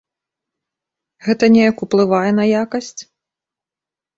Гэта неяк уплывае на якасць?